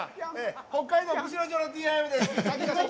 北海道釧路町のＴＩＭです。